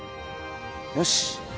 よし！